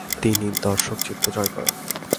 তিনি দর্শকচিত্ত জয় করেন।